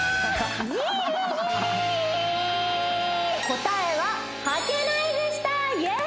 答えははけないでしたイエーイ！